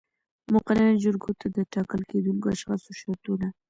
مقننه جرګو ته د ټاکل کېدونکو اشخاصو شرطونه